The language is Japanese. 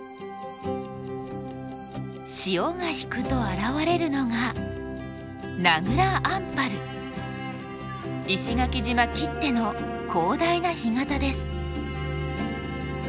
潮が引くと現れるのが石垣島きっての広大な干潟です。